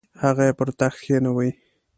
هغه یې پر تخت کښینوي.